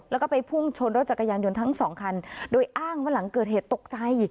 แล้วก็ไปพุ่งชนรถจักรยานยนต์ทั้งสองคันโดยอ้างว่าหลังเกิดเหตุตกใจ